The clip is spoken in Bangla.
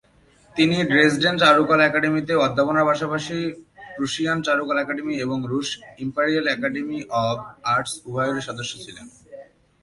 তিনি ড্রেসডেন চারুকলা একাডেমিতে অধ্যাপনার পাশাপাশি প্রুশিয়ান চারুকলা একাডেমি এবং রুশ ইম্পেরিয়াল একাডেমি অব আর্টস উভয়েরই সদস্য ছিলেন।